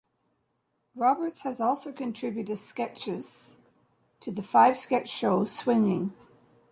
Roberts has also contributed sketches to the Five sketch show "Swinging".